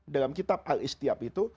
dalam kitab al istihab itu